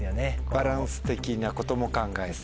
バランス的なことも考えて？